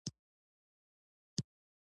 ښوونکی د ماشومانو او ځوانانو لارښوونه کوي.